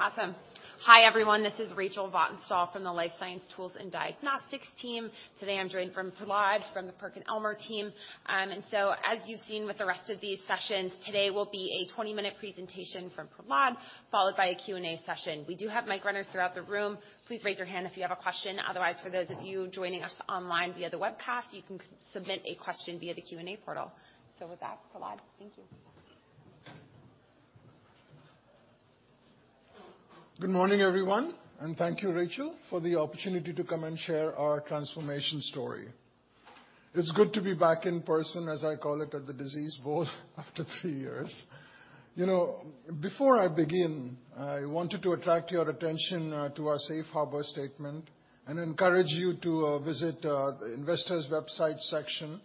Awesome. Hi, everyone. This is Rachel Vatnsdal from the Life Science Tools and Diagnostics team. Today, I'm joined from Prahlad from the PerkinElmer team. As you've seen with the rest of these sessions, today will be a 20-minute presentation from Prahlad, followed by a Q&A session. We do have mic runners throughout the room. Please raise your hand if you have a question. Otherwise, for those of you joining us online via the webcast, you can submit a question via the Q&A portal. With that, Prahlad. Thank you. Good morning, everyone, thank you, Rachel, for the opportunity to come and share our transformation story. It's good to be back in person, as I call it, at the disease booth after three years. You know, before I begin, I wanted to attract your attention to our safe harbor statement and encourage you to visit the investors' website section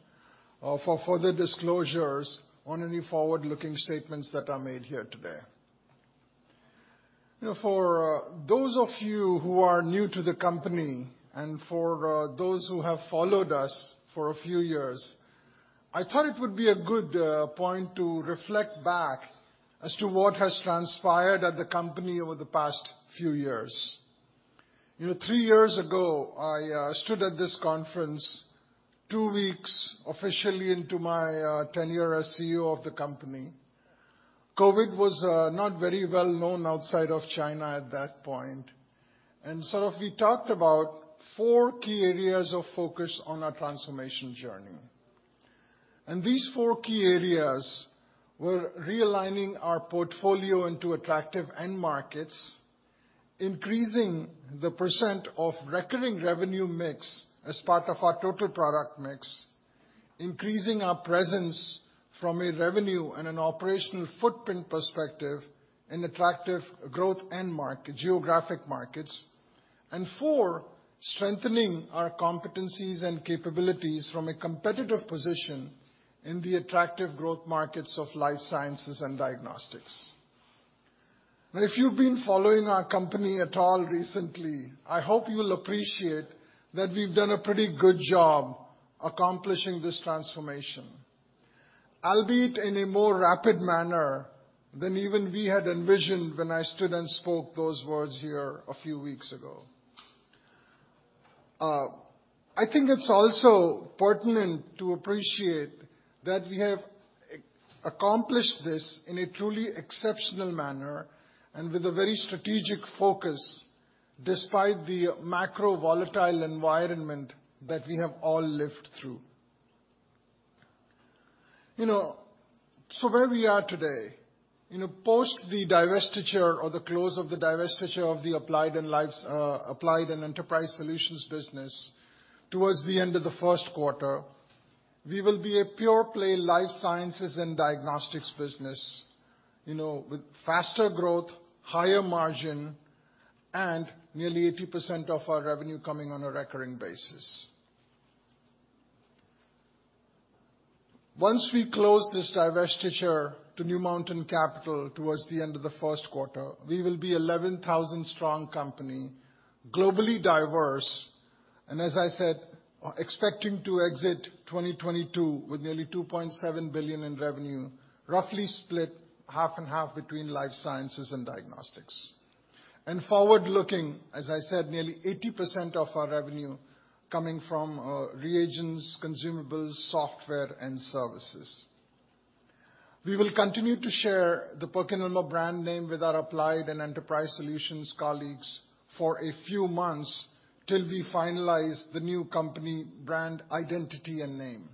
for further disclosures on any forward-looking statements that are made here today. You know, for those of you who are new to the company and for those who have followed us for a few years, I thought it would be a good point to reflect back as to what has transpired at the company over the past few years. You know, three years ago, I stood at this conference two weeks officially into my tenure as CEO of the company. COVID was not very well known outside of China at that point, sort of we talked about four key areas of focus on our transformation journey. These four key areas were realigning our portfolio into attractive end markets, increasing the percent of recurring revenue mix as part of our total product mix, increasing our presence from a revenue and an operational footprint perspective in attractive growth geographic markets. Four, strengthening our competencies and capabilities from a competitive position in the attractive growth markets of life sciences and diagnostics. If you've been following our company at all recently, I hope you'll appreciate that we've done a pretty good job accomplishing this transformation, albeit in a more rapid manner than even we had envisioned when I stood and spoke those words here a few weeks ago. I think it's also pertinent to appreciate that we have accomplished this in a truly exceptional manner and with a very strategic focus despite the macro volatile environment that we have all lived through. You know, where we are today, you know, post the divestiture or the close of the divestiture of the Applied and Enterprise Solutions business towards the end of the first quarter, we will be a pure play life sciences and diagnostics business, you know, with faster growth, higher margin, and nearly 80% of our revenue coming on a recurring basis. Once we close this divestiture to New Mountain Capital towards the end of the first quarter, we will be 11,000 strong company, globally diverse, and as I said, expecting to exit 2022 with nearly $2.7 billion in revenue, roughly split half and half between Life Sciences and Diagnostics. Forward-looking, as I said, nearly 80% of our revenue coming from reagents, consumables, software, and services. We will continue to share the PerkinElmer brand name with our Applied and Enterprise Solutions colleagues for a few months till we finalize the new company brand identity and name.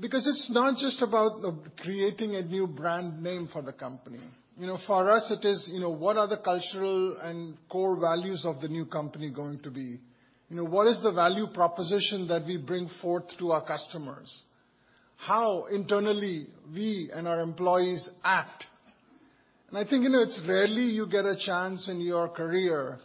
It's not just about the creating a new brand name for the company. You know, for us, it is, you know, what are the cultural and core values of the new company going to be? You know, what is the value proposition that we bring forth to our customers? How internally we and our employees act? I think, you know, it's rarely you get a chance in your career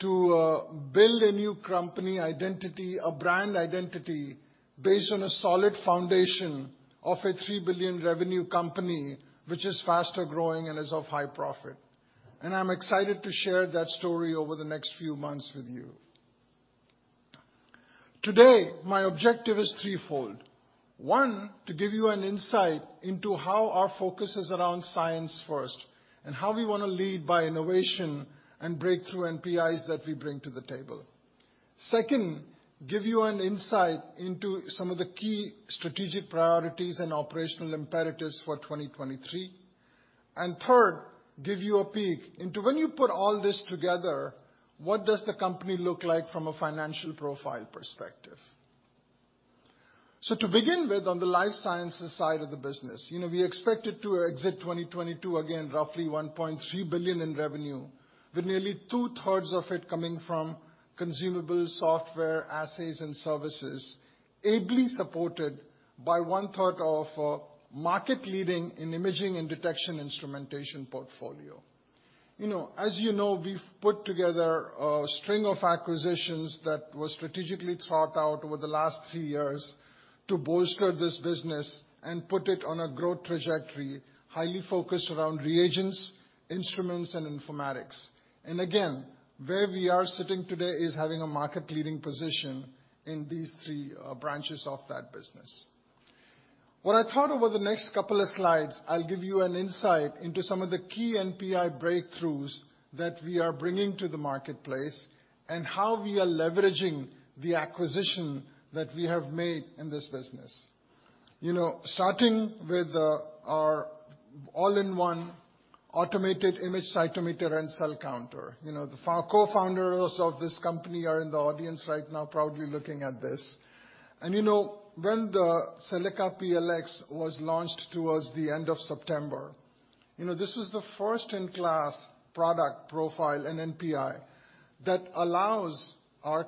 to build a new company identity, a brand identity based on a solid foundation of a $3 billion revenue company, which is faster growing and is of high profit. I'm excited to share that story over the next few months with you. Today, my objective is threefold. One, to give you an insight into how our focus is around science first and how we wanna lead by innovation and breakthrough NPIs that we bring to the table. Second, give you an insight into some of the key strategic priorities and operational imperatives for 2023. Third, give you a peek into when you put all this together, what does the company look like from a financial profile perspective. To begin with, on the life sciences side of the business, you know, we expected to exit 2022, again, roughly $1.3 billion in revenue, with nearly 2/3 of it coming from consumables, software, assays, and services, ably supported by 1/3 of market leading in imaging and detection instrumentation portfolio. You know, as you know, we've put together a string of acquisitions that were strategically thought out over the last three years to bolster this business and put it on a growth trajectory, highly focused around reagents, instruments, and informatics. Again, where we are sitting today is having a market-leading position in these three branches of that business. What I thought over the next couple of slides, I'll give you an insight into some of the key NPI breakthroughs that we are bringing to the marketplace and how we are leveraging the acquisition that we have made in this business. You know, starting with our all-in-one automated image cytometer and cell counter. You know, the co-founders of this company are in the audience right now, proudly looking at this. When the Cellaca PLX was launched towards the end of September, you know, this was the first-in-class product profile in NPI that allows our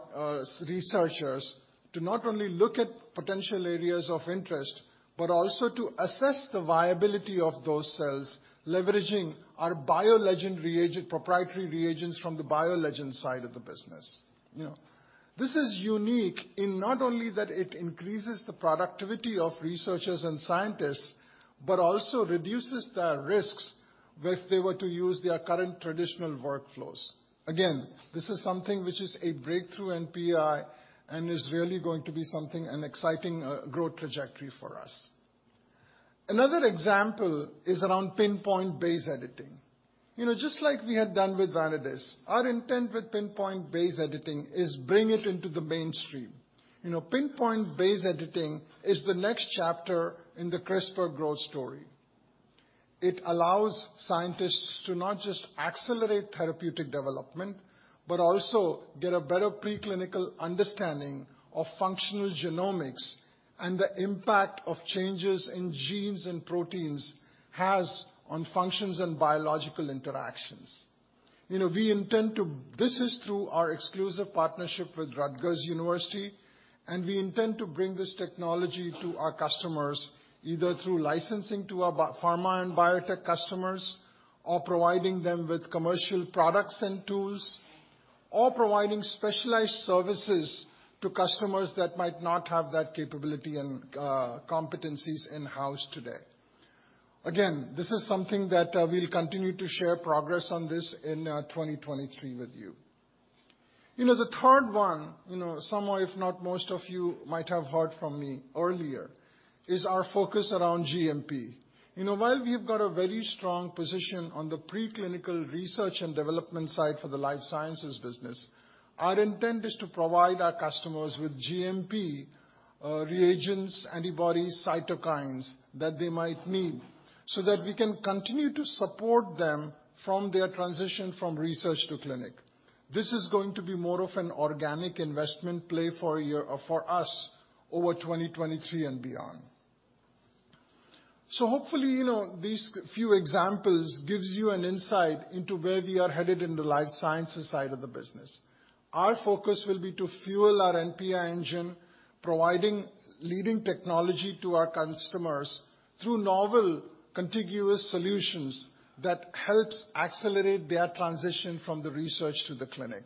researchers to not only look at potential areas of interest, but also to assess the viability of those cells, leveraging our BioLegend reagent, proprietary reagents from the BioLegend side of the business. You know, this is unique in not only that it increases the productivity of researchers and scientists, but also reduces the risks if they were to use their current traditional workflows. Again, this is something which is a breakthrough NPI and is really going to be something, an exciting growth trajectory for us. Another example is around Pin-point base editing. You know, just like we had done with Vanadis, our intent with Pin-point base editing is bring it into the mainstream. You know, Pin-point base editing is the next chapter in the CRISPR growth story. It allows scientists to not just accelerate therapeutic development, but also get a better preclinical understanding of functional genomics and the impact of changes in genes and proteins has on functions and biological interactions. You know, we intend to... This is through our exclusive partnership with Rutgers University, we intend to bring this technology to our customers, either through licensing to our pharma and biotech customers, or providing them with commercial products and tools, or providing specialized services to customers that might not have that capability and competencies in-house today. Again, this is something that we'll continue to share progress on this in 2023 with you. You know, the third one, you know, some of, if not most of you might have heard from me earlier, is our focus around GMP. You know, while we've got a very strong position on the preclinical research and development side for the life sciences business, our intent is to provide our customers with GMP reagents, antibodies, cytokines that they might need, so that we can continue to support them from their transition from research to clinic. This is going to be more of an organic investment play for us over 2023 and beyond. Hopefully, you know, these few examples gives you an insight into where we are headed in the life sciences side of the business. Our focus will be to fuel our NPI engine, providing leading technology to our customers through novel, contiguous solutions that helps accelerate their transition from the research to the clinic.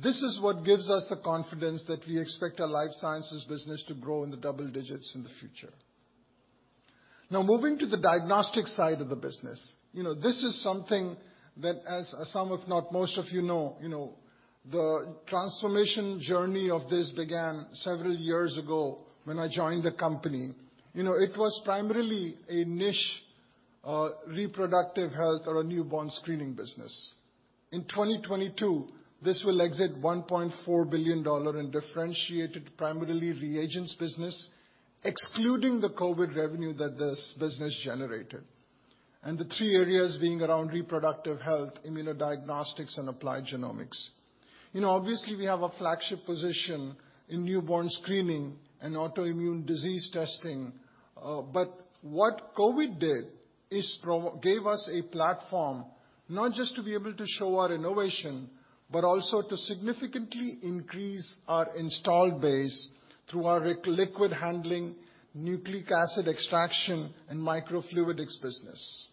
This is what gives us the confidence that we expect our life sciences business to grow in the double digits in the future. Moving to the diagnostic side of the business. You know, this is something that as, some of, if not most of you know, you know, the transformation journey of this began several years ago when I joined the company. You know, it was primarily a niche, reproductive health or a newborn screening business. In 2022, this will exit $1.4 billion in differentiated, primarily reagents business, excluding the COVID revenue that this business generated. The three areas being around reproductive health, immunodiagnostics, and applied genomics. You know, obviously, we have a flagship position in newborn screening and autoimmune disease testing, but what COVID did is gave us a platform, not just to be able to show our innovation, but also to significantly increase our installed base through our liquid handling, nucleic acid extraction, and microfluidics business.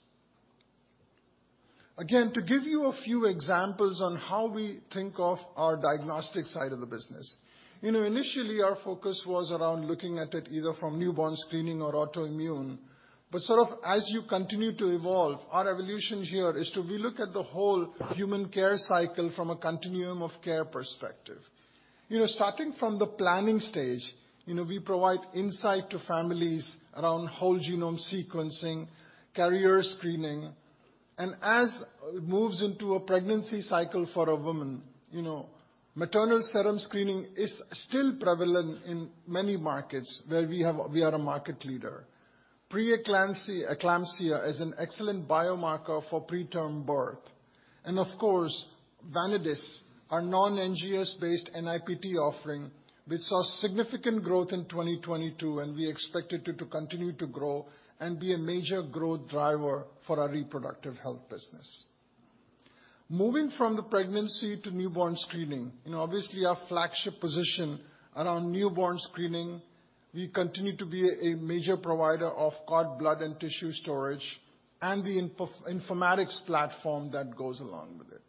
To give you a few examples on how we think of our diagnostic side of the business. You know, initially, our focus was around looking at it either from newborn screening or autoimmune. Sort of as you continue to evolve, our evolution here is to relook at the whole human care cycle from a continuum of care perspective. You know, starting from the planning stage, you know, we provide insight to families around whole genome sequencing, carrier screening. As it moves into a pregnancy cycle for a woman, you know, maternal serum screening is still prevalent in many markets where we are a market leader. Pre-eclampsia, eclampsia is an excellent biomarker for preterm birth. Of course, Vanadis, our non-NGS-based NIPT offering, which saw significant growth in 2022, and we expect it to continue to grow and be a major growth driver for our reproductive health business. Moving from the pregnancy to newborn screening. You know, obviously, our flagship position around newborn screening, we continue to be a major provider of cord blood and tissue storage and the informatics platform that goes along with it.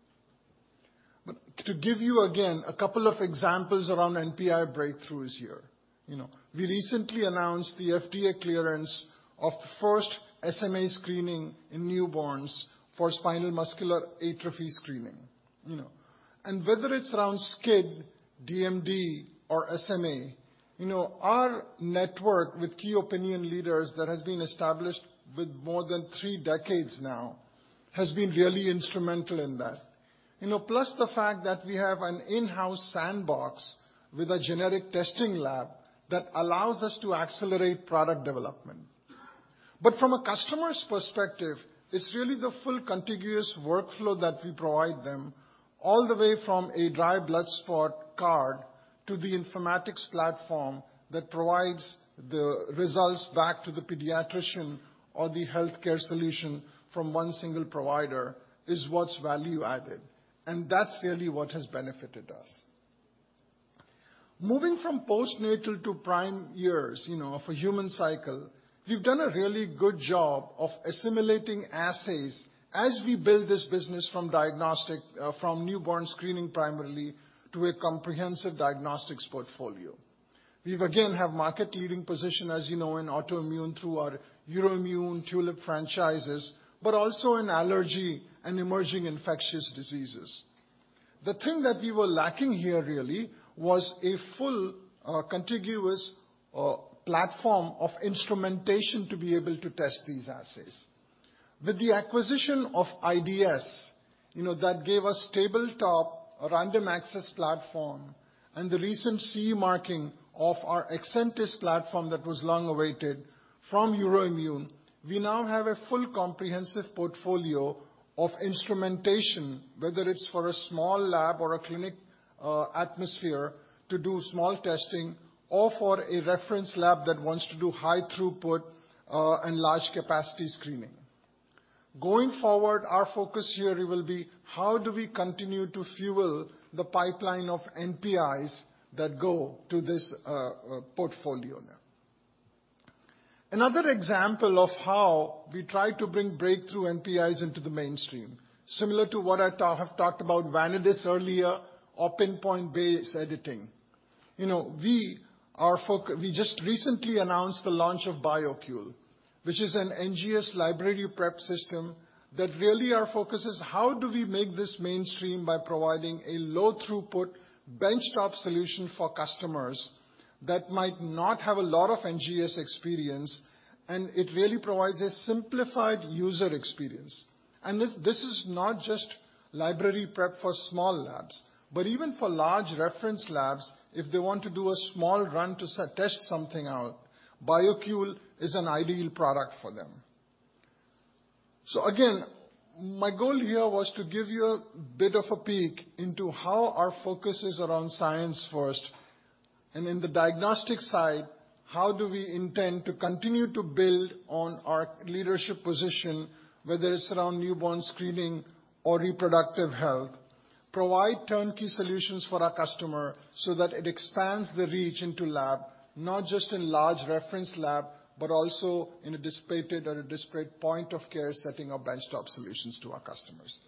To give you, again, a couple of examples around NPI breakthroughs here. You know, we recently announced the FDA clearance of the first SMA screening in newborns for spinal muscular atrophy screening, you know. Whether it's around SCID, DMD, or SMA, you know, our network with key opinion leaders that has been established with more than three decades now has been really instrumental in that. You know, plus the fact that we have an in-house sandbox with a genetic testing lab that allows us to accelerate product development. From a customer's perspective, it's really the full contiguous workflow that we provide them all the way from a dried blood spot card to the informatics platform that provides the results back to the pediatrician or the healthcare solution from one single provider is what's value added, and that's really what has benefited us. Moving from postnatal to prime years, you know, of a human cycle, we've done a really good job of assimilating assays as we build this business from diagnostic, from newborn screening primarily to a comprehensive diagnostics portfolio. We've again have market leading position, as you know, in autoimmune through our EUROIMMUN TULIP franchises, but also in allergy and emerging infectious diseases. The thing that we were lacking here really was a full, contiguous platform of instrumentation to be able to test these assays. With the acquisition of IDS, you know, that gave us tabletop random access platform and the recent CE marking of our Accentis platform that was long-awaited from EUROIMMUN. We now have a full comprehensive portfolio of instrumentation, whether it's for a small lab or a clinic atmosphere to do small testing or for a reference lab that wants to do high throughput and large capacity screening. Going forward, our focus here will be how do we continue to fuel the pipeline of NPIs that go to this portfolio now. Another example of how we try to bring breakthrough NPIs into the mainstream, similar to what I have talked about Vanadis earlier or pinpoint base editing. You know, we are. We just recently announced the launch of BioQule, which is an NGS library prep system that really our focus is how do we make this mainstream by providing a low-throughput benchtop solution for customers that might not have a lot of NGS experience, and it really provides a simplified user experience. This is not just library prep for small labs, but even for large reference labs, if they want to do a small run to test something out, BioQule is an ideal product for them. Again, my goal here was to give you a bit of a peek into how our focus is around science first. In the diagnostic side, how do we intend to continue to build on our leadership position, whether it's around newborn screening or reproductive health. Provide turnkey solutions for our customer so that it expands the reach into lab, not just in large reference lab, but also in a dissipated or a disparate point of care setting or benchtop solutions to our customers.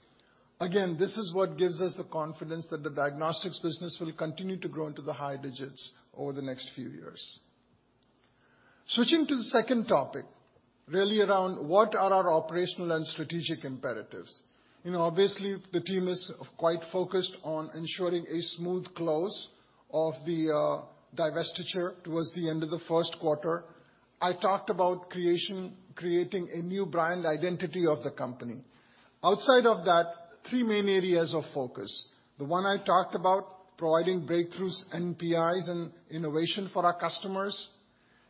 This is what gives us the confidence that the diagnostics business will continue to grow into the high digits over the next few years. Switching to the second topic, really around what are our operational and strategic imperatives. You know, obviously, the team is quite focused on ensuring a smooth close of the divestiture towards the end of the first quarter. I talked about creating a new brand identity of the company. Outside of that, three main areas of focus. The one I talked about, providing breakthroughs, NPIs, and innovation for our customers.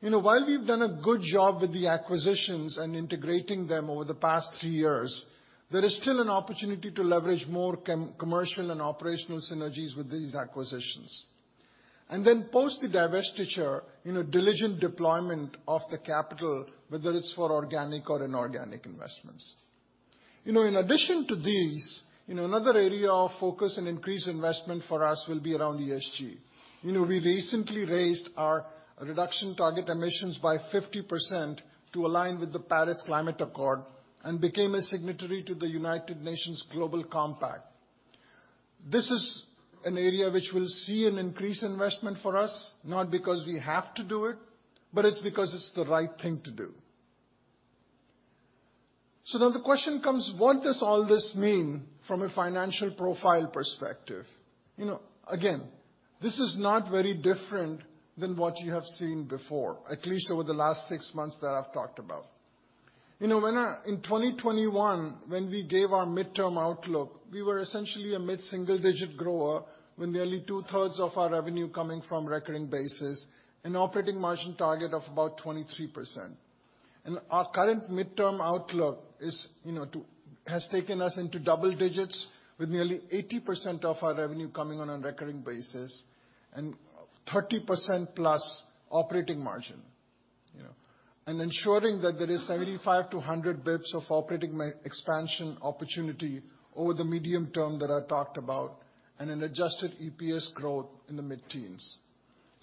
You know, while we've done a good job with the acquisitions and integrating them over the past three years, there is still an opportunity to leverage more commercial and operational synergies with these acquisitions. Then post the divestiture, you know, diligent deployment of the capital, whether it's for organic or inorganic investments. You know, in addition to these, you know, another area of focus and increased investment for us will be around ESG. You know, we recently raised our reduction target emissions by 50% to align with the Paris Agreement and became a signatory to the United Nations Global Compact. This is an area which will see an increased investment for us, not because we have to do it, but it's because it's the right thing to do. Now the question comes, what does all this mean from a financial profile perspective? You know, again, this is not very different than what you have seen before, at least over the last six months that I've talked about. You know, when in 2021, when we gave our midterm outlook, we were essentially a mid-single digit grower with nearly 2/3 of our revenue coming from recurring basis, an operating margin target of about 23%. Our current midterm outlook is, you know, has taken us into double digits with nearly 80% of our revenue coming on a recurring basis and 30%+ operating margin, you know. Ensuring that there is 75 to 100 basis points of operating expansion opportunity over the medium term that I talked about and an adjusted EPS growth in the mid-teens.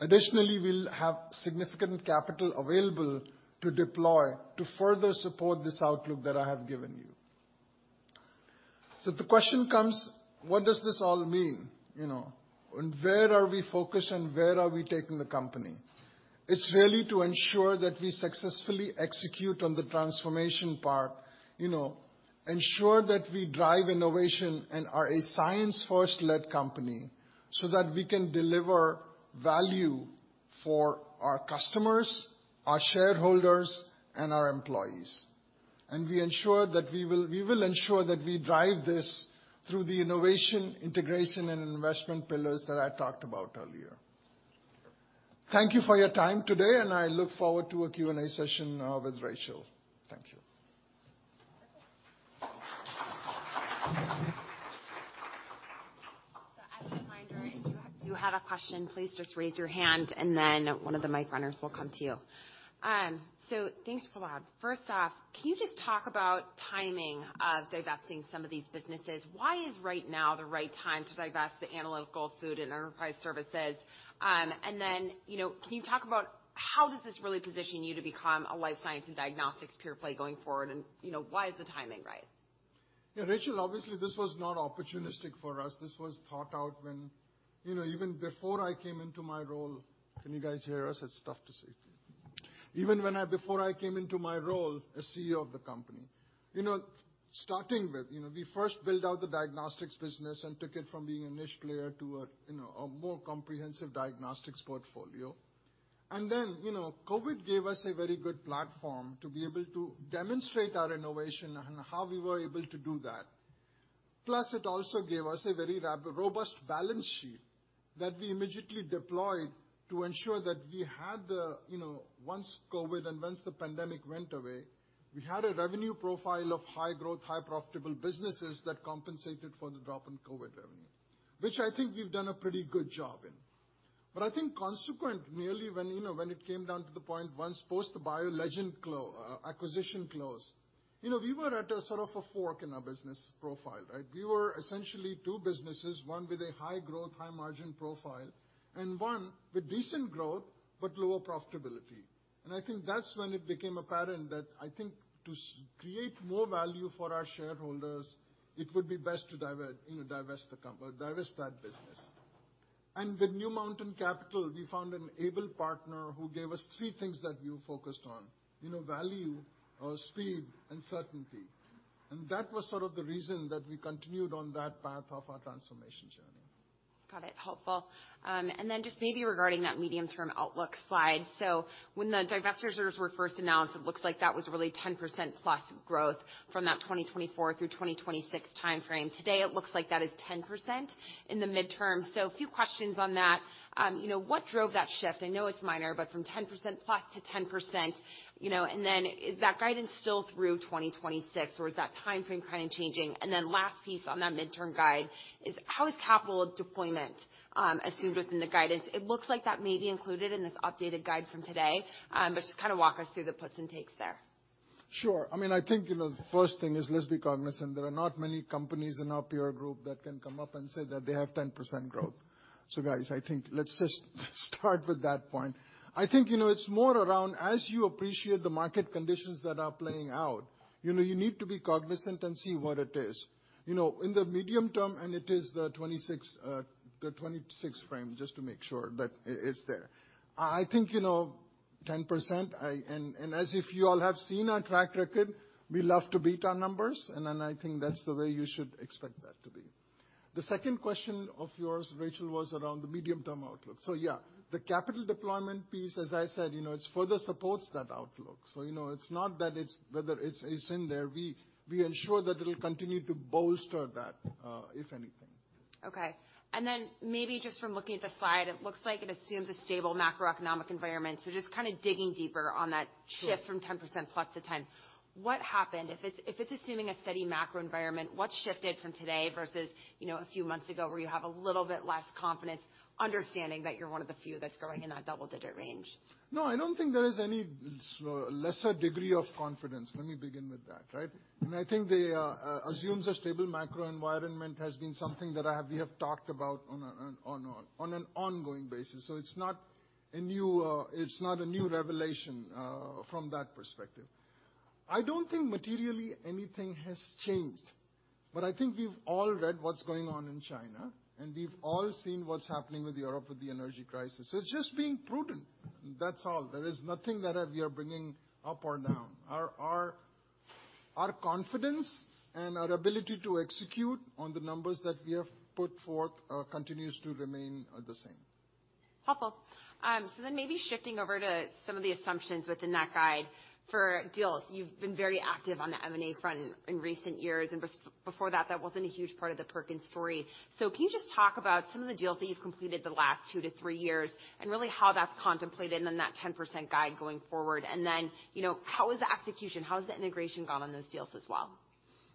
Additionally, we'll have significant capital available to deploy to further support this outlook that I have given you. The question comes, what does this all mean? You know, where are we focused and where are we taking the company? It's really to ensure that we successfully execute on the transformation part, you know, ensure that we drive innovation and are a science-first led company so that we can deliver value for our customers, our shareholders, and our employees. We will ensure that we drive this through the innovation, integration, and investment pillars that I talked about earlier. Thank you for your time today, and I look forward to a Q&A session with Rachel. Thank you. As a reminder, if you do have a question, please just raise your hand and then one of the mic runners will come to you. Thanks, Prahlad. First off, can you just talk about timing of divesting some of these businesses? Why is right now the right time to divest the Applied, Food and Enterprise Services? And then, you know, can you talk about how does this really position you to become a life science and diagnostics pure play going forward? You know, why is the timing right? Yeah, Rachel, obviously, this was not opportunistic for us. This was thought out when, you know, even before I came into my role. Can you guys hear us? It's tough to see. Even before I came into my role as CEO of the company. You know, starting with, you know, we first built out the diagnostics business and took it from being a niche player to a, you know, a more comprehensive diagnostics portfolio. Then, you know, COVID gave us a very good platform to be able to demonstrate our innovation and how we were able to do that. It also gave us a very robust balance sheet that we immediately deployed to ensure that we had the, you know, once COVID and once the pandemic went away, we had a revenue profile of high growth, high profitable businesses that compensated for the drop in COVID revenue, which I think we've done a pretty good job in. I think consequent merely when, you know, when it came down to the point, once post the BioLegend acquisition closed, you know, we were at a sort of a fork in our business profile, right? We were essentially two businesses, one with a high growth, high margin profile, and one with decent growth, but lower profitability. I think that's when it became apparent that I think to create more value for our shareholders, it would be best to you know, divest that business. With New Mountain Capital, we found an able partner who gave us three things that we were focused on, you know, value, speed, and certainty. That was sort of the reason that we continued on that path of our transformation journey. Got it. Helpful. Just maybe regarding that medium-term outlook slide. When the divestitures were first announced, it looks like that was really 10%+ growth from that 2024-2026 timeframe. Today, it looks like that is 10% in the midterm. A few questions on that. You know, what drove that shift? I know it's minor, but from 10%+ to 10%, you know, is that guidance still through 2026, or is that timeframe kind of changing? Then last piece on that midterm guide is how is capital deployment assumed within the guidance? It looks like that may be included in this updated guide from today, just kinda walk us through the puts and takes there. Sure. I mean, I think, you know, the first thing is let's be cognizant. There are not many companies in our peer group that can come up and say that they have 10% growth. Guys, I think let's just start with that point. I think, you know, it's more around as you appreciate the market conditions that are playing out, you know, you need to be cognizant and see what it is. You know, in the medium term, and it is the 26 frame, just to make sure that it is there. I think, you know, 10%, and as if you all have seen our track record, we love to beat our numbers, and then I think that's the way you should expect that to be. The second question of yours, Rachel, was around the medium-term outlook. The capital deployment piece, as I said, you know, it further supports that outlook. You know, it's not that it's in there, we ensure that it'll continue to bolster that, if anything. Okay. Maybe just from looking at the slide, it looks like it assumes a stable macroeconomic environment. Just kinda digging deeper on that... Sure. Shift from 10% plus to 10. What happened? If it's assuming a steady macro environment, what's shifted from today versus, you know, a few months ago where you have a little bit less confidence, understanding that you're one of the few that's growing in that double-digit range? No, I don't think there is any lesser degree of confidence, let me begin with that, right? I mean, I think the assumes a stable macro environment has been something that I have, we have talked about on an ongoing basis. It's not a new, it's not a new revelation, from that perspective. I don't think materially anything has changed, but I think we've all read what's going on in China, and we've all seen what's happening with Europe with the energy crisis. It's just being prudent. That's all. There is nothing that, we are bringing up or down. Our confidence and our ability to execute on the numbers that we have put forth, continues to remain, the same. Helpful. Maybe shifting over to some of the assumptions within that guide. For deals, you've been very active on the M&A front in recent years, and before that wasn't a huge part of the Perkin story. Can you just talk about some of the deals that you've completed the last two to three years, and really how that's contemplated in that 10% guide going forward? You know, how is the execution? How has the integration gone on those deals as well?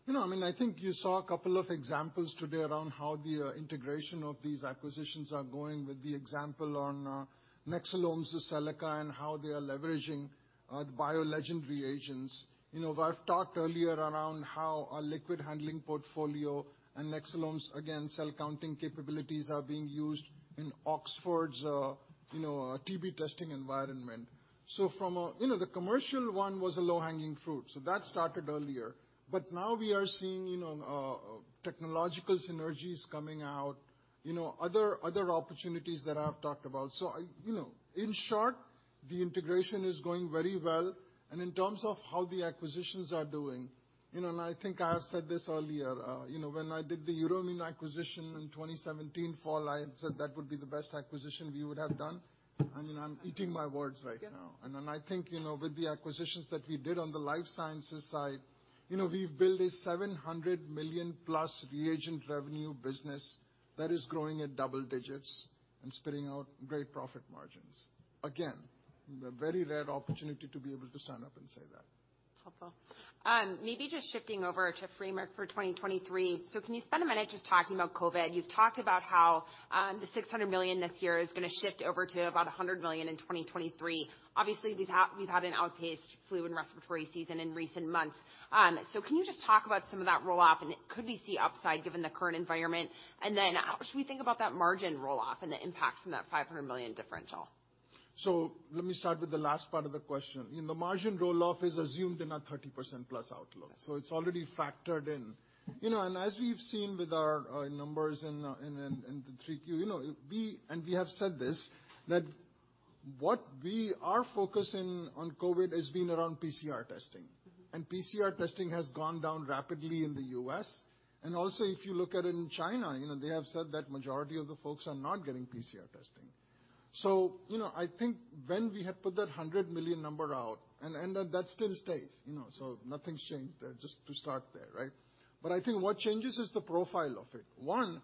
You know, I mean, I think you saw a couple of examples today around how the integration of these acquisitions are going with the example on Nexcelom to Cellaca and how they are leveraging BioLegend reagents. You know, I've talked earlier around how our liquid handling portfolio and Nexcelom's, again, cell counting capabilities are being used in Oxford's, you know, TB testing environment. You know, the commercial one was a low-hanging fruit, that started earlier. Now we are seeing, you know, technological synergies coming out, you know, other opportunities that I've talked about. I, you know. In short, the integration is going very well. In terms of how the acquisitions are doing, you know, I think I have said this earlier, you know, when I did the EUROIMMUN acquisition in 2017 fall, I had said that would be the best acquisition we would have done. I mean, I'm eating my words right now. I think, you know, with the acquisitions that we did on the life sciences side, you know, we've built a $700 million-plus reagent revenue business that is growing at double digits and spitting out great profit margins. Again, a very rare opportunity to be able to stand up and say that. Helpful. Maybe just shifting over to framework for 2023. Can you spend a minute just talking about COVID? You've talked about how the $600 million this year is gonna shift over to about $100 million in 2023. Obviously, we've had an outpaced flu and respiratory season in recent months. Can you just talk about some of that roll-off, and could we see upside given the current environment? How should we think about that margin roll-off and the impact from that $500 million differential? Let me start with the last part of the question. You know, the margin roll-off is assumed in our 30% plus outlook, so it's already factored in. You know, as we've seen with our numbers in the 3Q, you know, we have said this, that what we are focusing on COVID has been around PCR testing. Mm-hmm. PCR testing has gone down rapidly in the U.S. Also, if you look at it in China, you know, they have said that majority of the folks are not getting PCR testing. I think when we had put that $100 million number out, and that still stays, you know, nothing's changed there. Just to start there, right. I think what changes is the profile of it. One,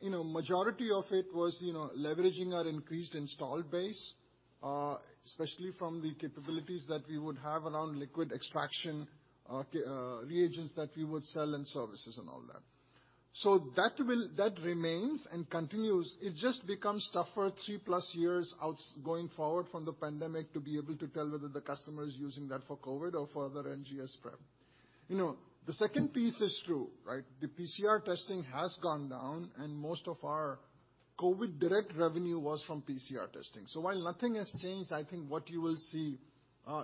you know, majority of it was, you know, leveraging our increased installed base, especially from the capabilities that we would have around liquid extraction, reagents that we would sell, and services and all that. That remains and continues. It just becomes tougher 3+ years out going forward from the pandemic to be able to tell whether the customer is using that for COVID or for other NGS prep. You know, the second piece is true, right? The PCR testing has gone down. Most of our COVID direct revenue was from PCR testing. While nothing has changed, I think what you will see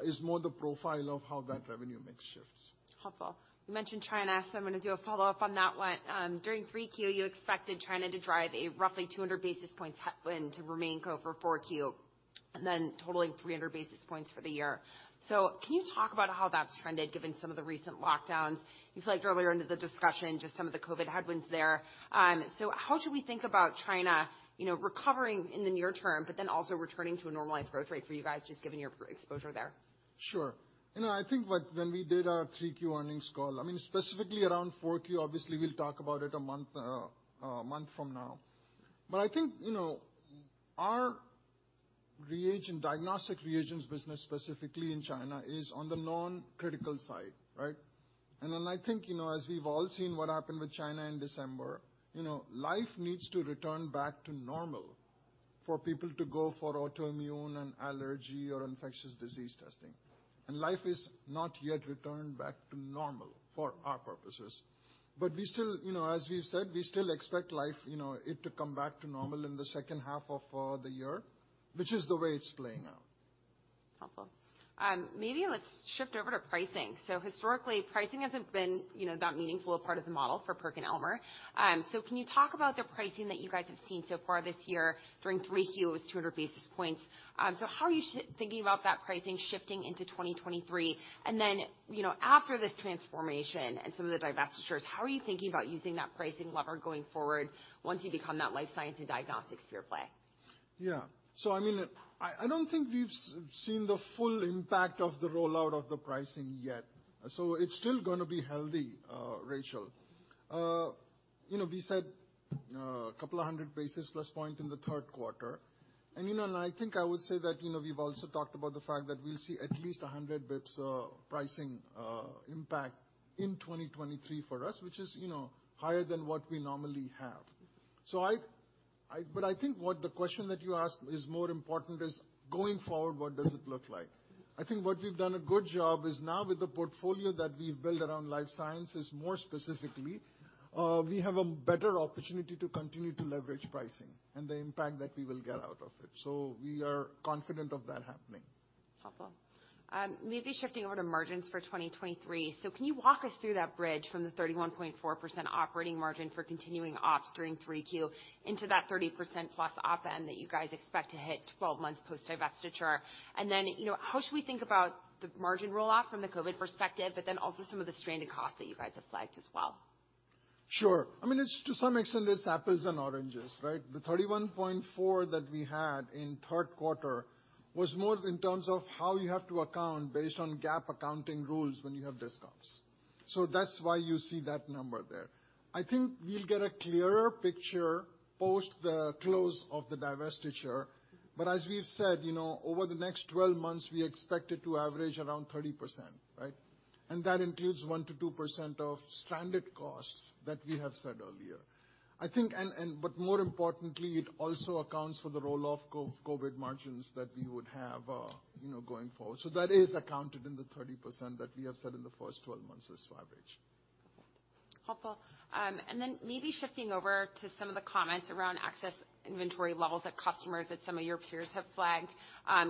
is more the profile of how that revenue mix shifts. Helpful. You mentioned China, so I'm gonna do a follow-up on that one. During 3Q, you expected China to drive a roughly 200 basis points headwind to remain co for 4Q, and then totaling 300 basis points for the year. Can you talk about how that's trended given some of the recent lockdowns? You flagged earlier into the discussion just some of the COVID headwinds there. How should we think about China, you know, recovering in the near term, but then also returning to a normalized growth rate for you guys, just given your exposure there? Sure. You know, I think when we did our 3Q earnings call, I mean, specifically around 4Q, obviously we'll talk about it a month from now. I think, you know, our reagent, diagnostic reagents business specifically in China is on the non-critical side, right? I think, you know, as we've all seen what happened with China in December, you know, life needs to return back to normal for people to go for autoimmune and allergy or infectious disease testing. Life is not yet returned back to normal for our purposes. We still, you know, as we've said, we still expect life, you know, it to come back to normal in the second half of the year, which is the way it's playing out. Helpful. Maybe let's shift over to pricing. Historically, pricing hasn't been, you know, that meaningful a part of the model for PerkinElmer. Can you talk about the pricing that you guys have seen so far this year? During 3Q, it was 200 basis points. How are you thinking about that pricing shifting into 2023? Then, you know, after this transformation and some of the divestitures, how are you thinking about using that pricing lever going forward once you become that life science and diagnostics pure play? Yeah. I mean, I don't think we've seen the full impact of the rollout of the pricing yet. It's still gonna be healthy, Rachel. You know, we said a couple of hundred basis plus point in the third quarter. You know, I think I would say that, you know, we've also talked about the fact that we'll see at least 100 basis points pricing impact in 2023 for us, which is, you know, higher than what we normally have. I... I think what the question that you ask is more important is going forward, what does it look like? I think what we've done a good job is now with the portfolio that we've built around life sciences, more specifically, we have a better opportunity to continue to leverage pricing and the impact that we will get out of it. We are confident of that happening. Helpful. maybe shifting over to margins for 2023. can you walk us through that bridge from the 31.4% operating margin for continuing ops during 3Q into that 30%+ op end that you guys expect to hit 12 months post divestiture? you know, how should we think about the margin roll-off from the COVID perspective, but then also some of the stranded costs that you guys have flagged as well? Sure. I mean, it's to some extent, it's apples and oranges, right? The 31.4 that we had in third quarter was more in terms of how you have to account based on GAAP accounting rules when you have discounts. That's why you see that number there. I think we'll get a clearer picture post the close of the divestiture. As we've said, you know, over the next 12 months, we expect it to average around 30%, right? That includes 1%-2% of stranded costs that we have said earlier. I think. More importantly, it also accounts for the roll-off COVID margins that we would have, you know, going forward. That is accounted in the 30% that we have said in the first 12 months as average. Helpful. Then maybe shifting over to some of the comments around access inventory levels that customers at some of your peers have flagged.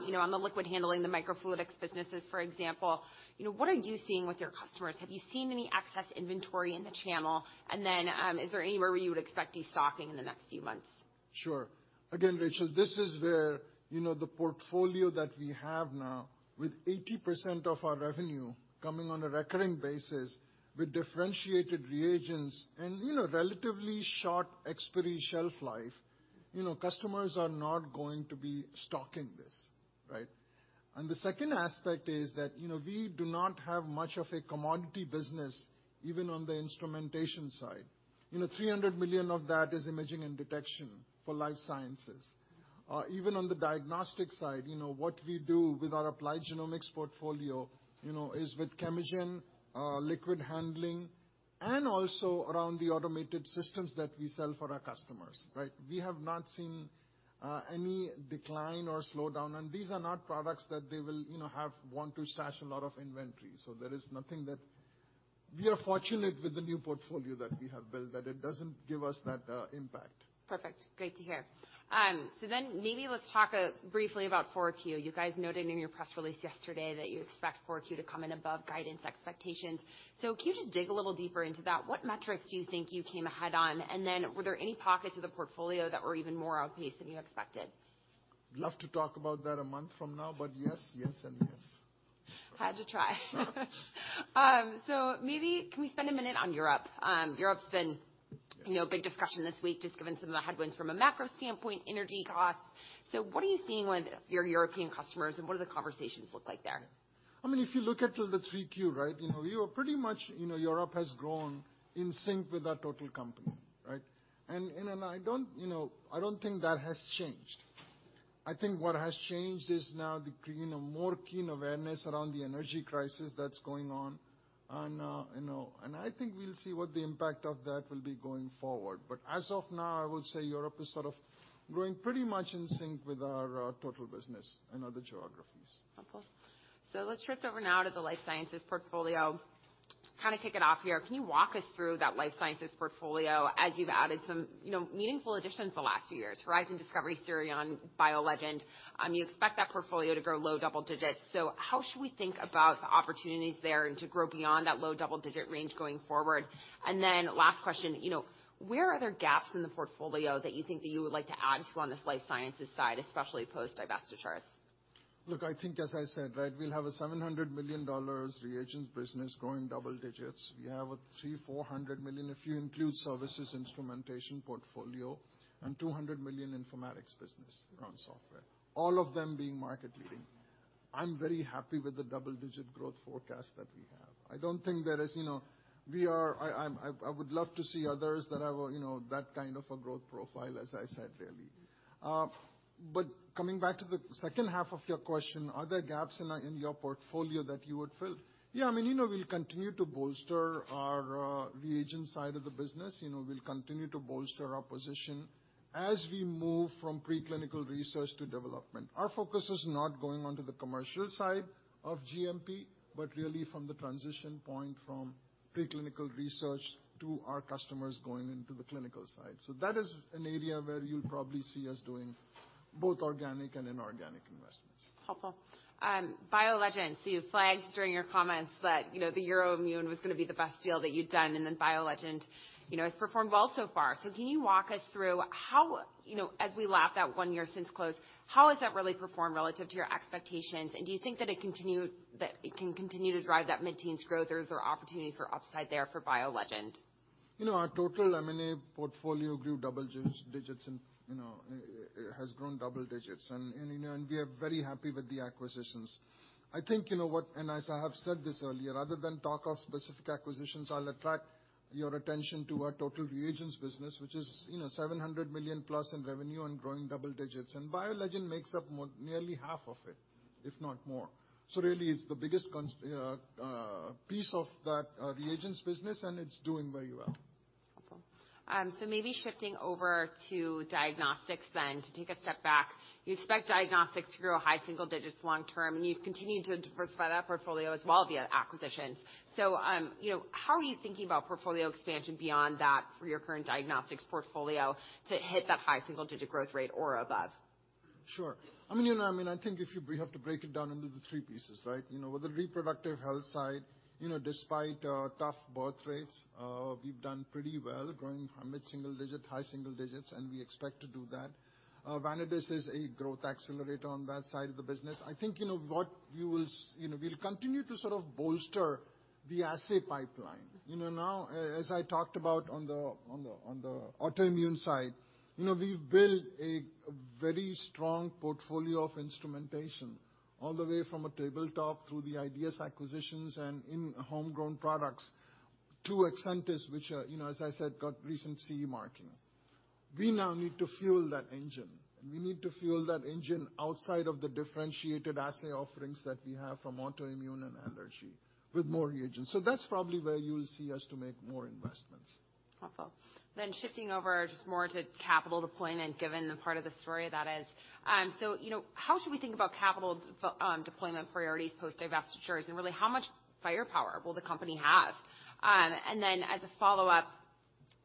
You know, on the liquid handling the microfluidics businesses, for example. You know, what are you seeing with your customers? Have you seen any excess inventory in the channel? Then, is there anywhere where you would expect destocking in the next few months? Sure. Again, Rachel, this is where, you know, the portfolio that we have now with 80% of our revenue coming on a recurring basis with differentiated reagents and, you know, relatively short expiry shelf life. You know, customers are not going to be stocking this, right? The second aspect is that, you know, we do not have much of a commodity business, even on the instrumentation side. You know, $300 million of that is imaging and detection for life sciences. Even on the diagnostic side, you know, what we do with our applied genomics portfolio, you know, is with chemagic, liquid handling and also around the automated systems that we sell for our customers, right? We have not seen any decline or slowdown, and these are not products that they will, you know, have want to stash a lot of inventory. There is nothing that. We are fortunate with the new portfolio that we have built that it doesn't give us that impact. Perfect. Great to hear. Maybe let's talk briefly about 4Q. You guys noted in your press release yesterday that you expect 4Q to come in above guidance expectations. Can you just dig a little deeper into that? What metrics do you think you came ahead on? Were there any pockets of the portfolio that were even more off pace than you expected? Love to talk about that a month from now, but yes and yes. Had to try. Maybe can we spend a minute on Europe? Europe's been, you know, a big discussion this week, just given some of the headwinds from a macro standpoint, energy costs. What are you seeing with your European customers and what do the conversations look like there? I mean, if you look at the 3Q, right, you know, we were pretty much, you know, Europe has grown in sync with our total company, right? I don't, you know, I don't think that has changed. I think what has changed is now the, you know, more keen awareness around the energy crisis that's going on. You know, and I think we'll see what the impact of that will be going forward. As of now, I would say Europe is sort of growing pretty much in sync with our total business in other geographies. Helpful. Let's shift over now to the life sciences portfolio. Kind of kick it off here. Can you walk us through that life sciences portfolio as you've added some, you know, meaningful additions the last few years, Horizon Discovery, SIRION, BioLegend. You expect that portfolio to grow low double digits. How should we think about the opportunities there and to grow beyond that low double-digit range going forward? Last question, you know, where are there gaps in the portfolio that you think that you would like to add to on this life sciences side, especially post-divestiture? Look, I think as I said, right, we'll have a $700 million reagents business growing double digits. We have a $300 million-$400 million, if you include services, instrumentation, portfolio, and $200 million informatics business around software. All of them being market leading. I'm very happy with the double-digit growth forecast that we have. I don't think there is, you know, I would love to see others that have a, you know, that kind of a growth profile, as I said, really. Coming back to the second half of your question, are there gaps in your portfolio that you would fill? Yeah, I mean, you know, we'll continue to bolster our reagent side of the business. You know, we'll continue to bolster our position as we move from pre-clinical research to development. Our focus is not going onto the commercial side of GMP, but really from the transition point from pre-clinical research to our customers going into the clinical side. That is an area where you'll probably see us doing both organic and inorganic investments. Helpful. BioLegend, you flagged during your comments that, you know, the EUROIMMUN was gonna be the best deal that you'd done, and then BioLegend, you know, has performed well so far. Can you walk us through how, you know, as we lap that one year since close, how has that really performed relative to your expectations? Do you think that it can continue to drive that mid-teens growth, or is there opportunity for upside there for BioLegend? You know, our total M&A portfolio grew double digits and, you know, it has grown double digits and you know, and we are very happy with the acquisitions. I think you know, as I have said this earlier, other than talk of specific acquisitions, I'll attract your attention to our total reagents business, which is, you know, $700 million plus in revenue and growing double digits. BioLegend makes up nearly half of it, if not more. Really it's the biggest piece of that reagents business, and it's doing very well. Helpful. Maybe shifting over to diagnostics then to take a step back. You expect diagnostics to grow high single digits long term, and you've continued to diversify that portfolio as well via acquisitions. You know, how are you thinking about portfolio expansion beyond that for your current diagnostics portfolio to hit that high single digit growth rate or above? Sure. I mean, you know, I mean, I think we have to break it down into the three pieces, right? You know, with the reproductive health side, you know, despite tough birth rates, we've done pretty well growing from mid-single digit, high single digits, and we expect to do that. Vanadis is a growth accelerator on that side of the business. I think you know, we'll continue to sort of bolster the assay pipeline. You know, now as I talked about on the autoimmune side, you know, we've built a very strong portfolio of instrumentation all the way from a tabletop through the IDS acquisitions and in homegrown products to UNIVO, which are, you know, as I said, got recent CE marking. We now need to fuel that engine, and we need to fuel that engine outside of the differentiated assay offerings that we have from autoimmune and allergy with more reagents. That's probably where you'll see us to make more investments. Helpful. Shifting over just more to capital deployment, given the part of the story that is. You know, how should we think about capital deployment priorities post divestitures, and really, how much firepower will the company have? As a follow-up,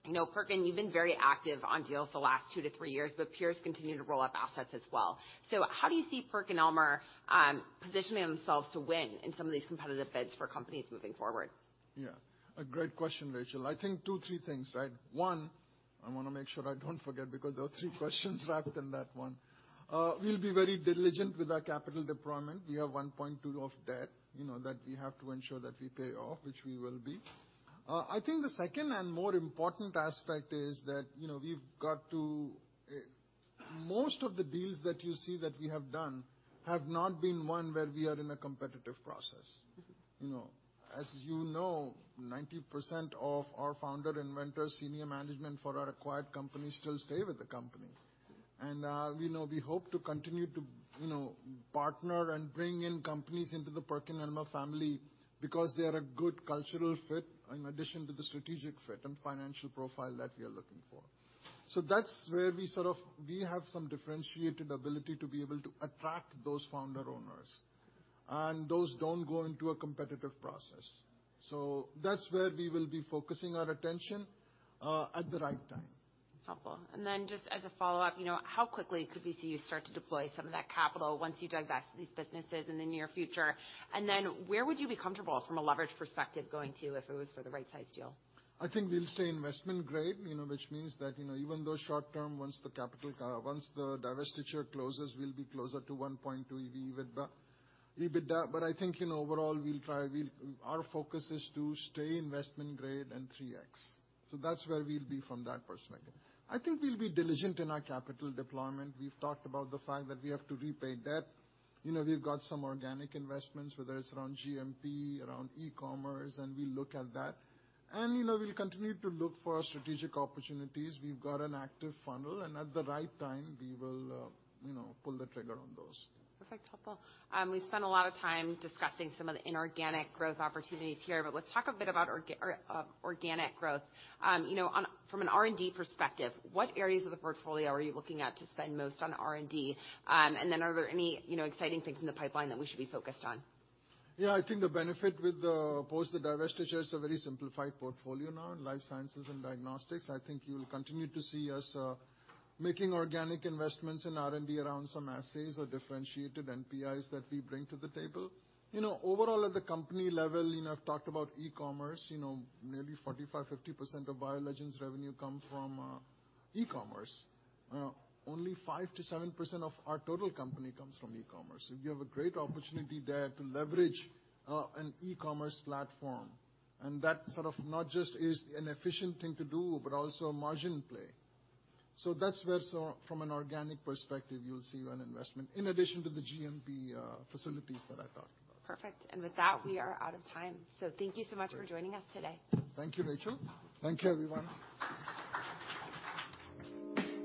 you know, Revvity, you've been very active on deals the last two to three years, but peers continue to roll up assets as well. How do you see Revvity, positioning themselves to win in some of these competitive bids for companies moving forward? Yeah, a great question, Rachel. I think two, three things, right? One, I wanna make sure I don't forget, because there are three questions wrapped in that one. We'll be very diligent with our capital deployment. We have $1.2 of debt, you know, that we have to ensure that we pay off, which we will be. I think the second and more important aspect is that, you know, we've got to... Most of the deals that you see that we have done have not been one where we are in a competitive process. Mm-hmm. You know. As you know, 90% of our founder, inventors, senior management for our acquired companies still stay with the company. We hope to continue to, you know, partner and bring in companies into the PerkinElmer family because they are a good cultural fit in addition to the strategic fit and financial profile that we are looking for. That's where we sort of, we have some differentiated ability to be able to attract those founder owners. Those don't go into a competitive process. That's where we will be focusing our attention at the right time. Helpful. Just as a follow-up, you know, how quickly could we see you start to deploy some of that capital once you divest these businesses in the near future? Where would you be comfortable from a leverage perspective going to if it was for the right size deal? I think we'll stay investment grade, you know, which means that, you know, even though short term, once the capital once the divestiture closes, we'll be closer to 1.2 EBITDA. I think, you know, overall we'll try. Our focus is to stay investment grade and 3x. That's where we'll be from that perspective. I think we'll be diligent in our capital deployment. We've talked about the fact that we have to repay debt. You know, we've got some organic investments, whether it's around GMP, around e-commerce, and we look at that. You know, we'll continue to look for strategic opportunities. We've got an active funnel, and at the right time we will, you know, pull the trigger on those. Perfect. Helpful. We've spent a lot of time discussing some of the inorganic growth opportunities here. Let's talk a bit about organic growth. You know, from an R&D perspective, what areas of the portfolio are you looking at to spend most on R&D? Are there any, you know, exciting things in the pipeline that we should be focused on? Yeah. I think the benefit with the post the divestiture is a very simplified portfolio now in life sciences and diagnostics. I think you'll continue to see us making organic investments in R&D around some assays or differentiated NPIs that we bring to the table. You know, overall, at the company level, you know, I've talked about e-commerce, you know, nearly 45%-50% of BioLegend's revenue come from e-commerce. Only 5%-7% of our total company comes from e-commerce. We have a great opportunity there to leverage an e-commerce platform. That sort of not just is an efficient thing to do, but also a margin play. That's where, from an organic perspective, you'll see an investment in addition to the GMP facilities that I talked about. Perfect. With that, we are out of time. Thank you so much for joining us today. Thank you, Rachel. Thank you, everyone.